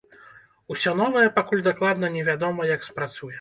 Усё новае пакуль дакладна не вядома, як спрацуе.